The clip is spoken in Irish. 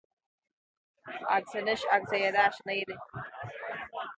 Agus, anois agus é ar ais in Éirinn.